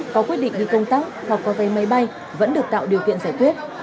có quyết định đi công tác hoặc có vé máy bay vẫn được tạo điều kiện giải quyết